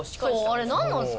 そうあれ何なんすか？